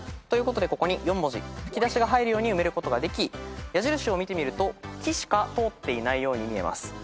ということでここに４文字「ふきだし」が入るように埋めることができ矢印を見てみると「き」しか通っていないように見えます。